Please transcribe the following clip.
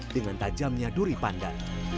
dengan tajamnya duri pandan